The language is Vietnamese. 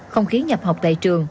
không khí nhập học tại trường